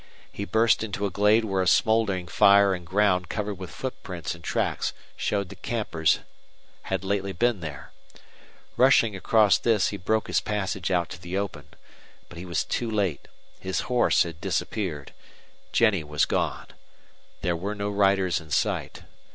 He burst into a glade where a smoldering fire and ground covered with footprints and tracks showed that campers had lately been. Rushing across this, he broke his passage out to the open. But he was too late. His horse had disappeared. Jennie was gone. There were no riders in sight.